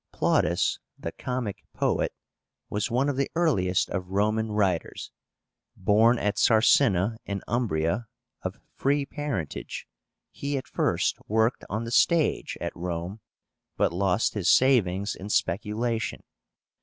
PLAUTUS, the comic poet, was one of the earliest of Roman writers. Born at Sarsina in Umbria, of free parentage, he at first worked on the stage at Rome, but lost his savings in speculation.